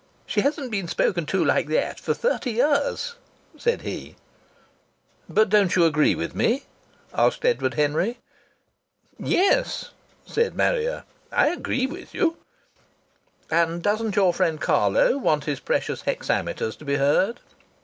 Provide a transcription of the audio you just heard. "She hasn't been spoken to like that for thirty years," said he. "But don't you agree with me?" asked Edward Henry. "Yes," said Marrier, "I agree with you " "And doesn't your friend Carlo want his precious hexameters to be heard?"